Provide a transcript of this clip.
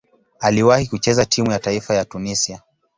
Aliwahi kucheza timu ya taifa ya Tunisia.